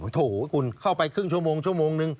โอ้โหคุณเข้าไปครึ่งชั่วโมงชั่วโมงนึง